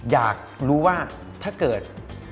อยากรู้ว่าถ้าเกิด